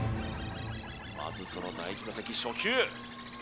まずその第１打席初球